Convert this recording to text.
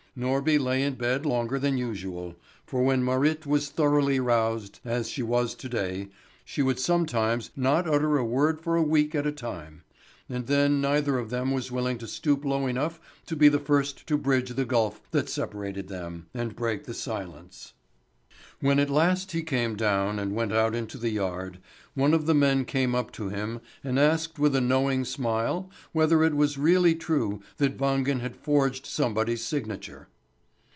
Norby lay in bed longer than usual, for when Marit was thoroughly roused, as she was to day, she would sometimes not utter a word for a week at a time; and then neither of them was willing to stoop low enough to be the first to bridge the gulf that separated them, and break the silence. When at last he came down and went out into the yard, one of the men came up to him and asked with a knowing smile whether it were really true that Wangen had forged somebody's signature.